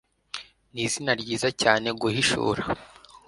nizina ryiza cyane guhishura